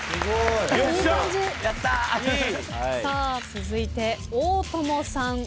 続いて大友さん。